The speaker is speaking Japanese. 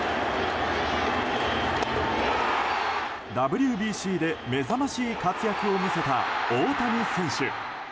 ＷＢＣで目覚ましい活躍を見せた大谷選手。